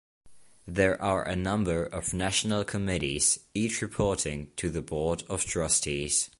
There are a number of national committees, each reporting to the board of trustees.